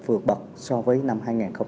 phược bật so với năm hai nghìn một mươi tám